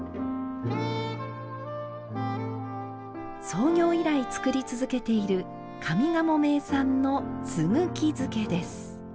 創業以来作り続けている上賀茂名産のすぐき漬けです。